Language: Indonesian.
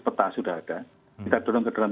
peta sudah ada kita dorong ke dalam